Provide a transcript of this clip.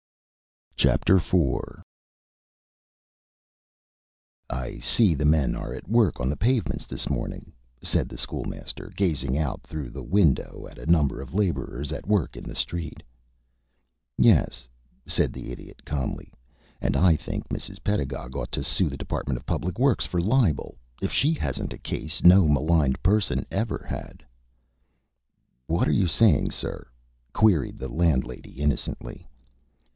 IV "I see the men are at work on the pavements this morning," said the School Master, gazing out through the window at a number of laborers at work in the street. "Yes," said the Idiot, calmly, "and I think Mrs. Pedagog ought to sue the Department of Public Works for libel. If she hasn't a case no maligned person ever had." "What are you saying, sir?" queried the landlady, innocently.